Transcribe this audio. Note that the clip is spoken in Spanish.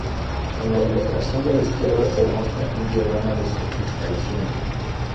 En la ilustración de la izquierda, se muestra un diagrama de su instalación.